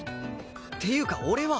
っていうか俺は？